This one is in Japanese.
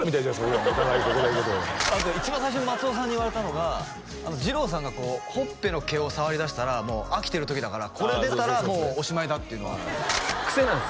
俺らお互いあと一番最初に松尾さんに言われたのがじろうさんがこうほっぺの毛を触りだしたらもう飽きてる時だからこれ出たらもうおしまいだっていうのはクセなんすよ